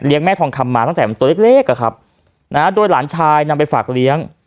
แม่ทองคำมาตั้งแต่ตัวเล็กอะครับนะฮะโดยหลานชายนำไปฝากเลี้ยง